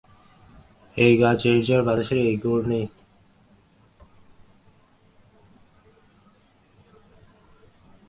এই গাছ, এই ঝড়, বাতাসের এই ঘূর্ণি ছবির শিল্পী দেখেছে।